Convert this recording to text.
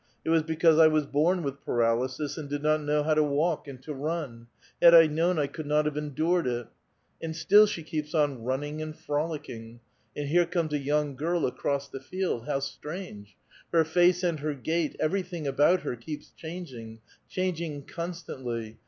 It was because I was born with paralysis and did not know how to walk and to run ! Had I known, I could not have endured it." And still she keeps on running and frolicking. And here comes a young girl across tlie field. How strange ! her face and her gait, everything about her, keeps cliangiiig, chang ing constantly.